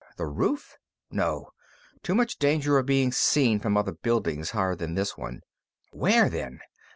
The roof? No. Too much danger of being seen from other buildings higher than this one. Where, then?